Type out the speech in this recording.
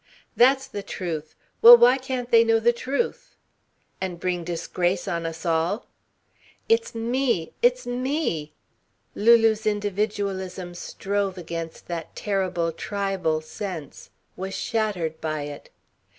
"That's the truth. Well, why can't they know the truth?" "And bring disgrace on us all." "It's me it's me " Lulu's individualism strove against that terrible tribal sense, was shattered by it.